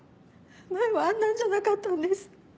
前はあんなんじゃなかったんです。